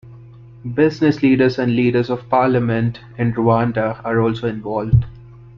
Business leaders and leaders of parliament in Rwanda are also involved.